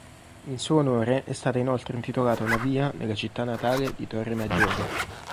In suo onore è stata inoltre intitolata una via nella città natale di Torremaggiore.